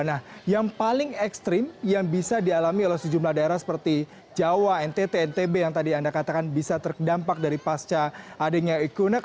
nah yang paling ekstrim yang bisa dialami oleh sejumlah daerah seperti jawa ntt ntb yang tadi anda katakan bisa terdampak dari pasca adanya equinak